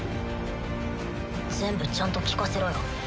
全部ちゃんと聞かせろよ。